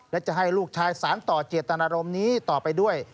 และจะให้ลูกชายสารต่อเจตนารมณ์นี้ต่อไปด้วย